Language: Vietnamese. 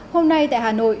hôm nay tại hà nội